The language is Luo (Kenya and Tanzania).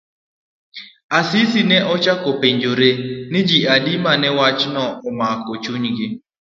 Asisi ne ochako penjore ni ji adi mane wachno omako chunygi.